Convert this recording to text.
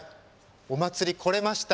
お祭り来れました！